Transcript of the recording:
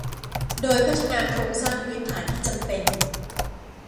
โดยพัฒนาโครงสร้างพื้นฐานที่จำเป็น